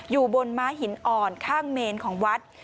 อยู่บนม้าหินอ่อนข้างเมนของวัด